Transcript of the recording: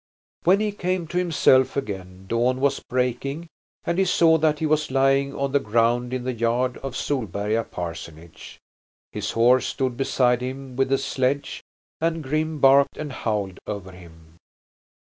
When he came to himself again dawn was breaking and he saw that he was lying on the ground in the yard of Solberga parsonage. His horse stood beside him with the sledge, and Grim barked and howled over him.